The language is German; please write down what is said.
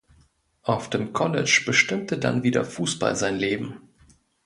Auf dem College bestimmte dann wieder Fußball sein Leben.